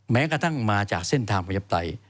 แม้กระทั่งมาจากเส้นทางประชาปไตย